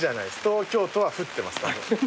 東京都は降ってますから。